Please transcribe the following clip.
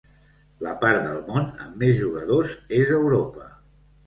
La part del món amb més jugadors és Europa.